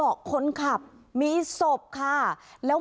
อันดับที่สุดท้าย